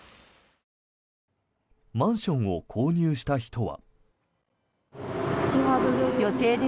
マンションを購入した人は。